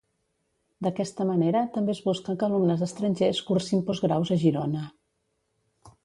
D'aquesta manera també es busca que alumnes estrangers cursin postgraus a Girona.